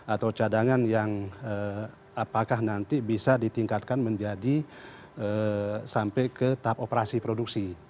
atau cadangan yang apakah nanti bisa ditingkatkan menjadi sampai ke tahap operasi produksi